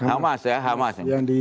hamas ya hamas